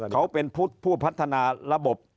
เขาเป็นผู้พัฒนาระบบ